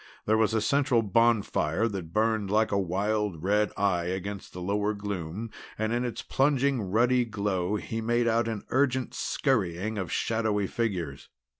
There was a central bonfire that burned like a wild red eye against the lower gloom, and in its plunging ruddy glow he made out an urgent scurrying of shadowy figures.